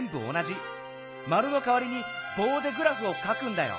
丸の代わりにぼうでグラフを書くんだよ。